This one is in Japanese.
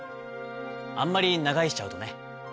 あんまり長居しちゃうとね